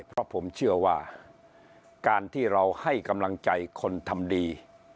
เพราะผมเชื่อว่าการที่เราให้กำลังใจคนทำดี